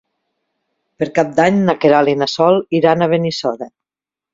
Per Cap d'Any na Queralt i na Sol iran a Benissoda.